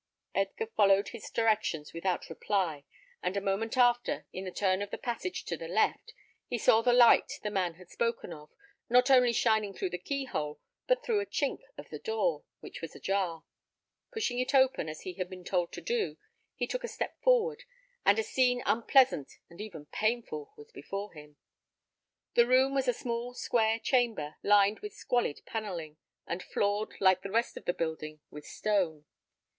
Edgar followed his directions without reply; and a moment after, in a turn of the passage to the left, saw the light the man had spoken of, not only shining through the keyhole, but through a chink of the door, which was ajar. Pushing it open, as he had been told to do, he took a step forward, and a scene unpleasant and even painful was before him. The room was a small square chamber, lined with squalid panelling, and floored, like the rest of the building, with stone.